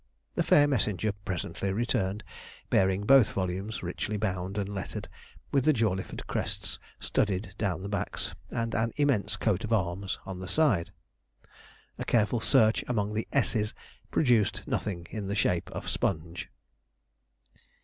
The fair messenger presently returned, bearing both volumes, richly bound and lettered, with the Jawleyford crests studded down the backs, and an immense coat of arms on the side. A careful search among the S's produced nothing in the shape of Sponge.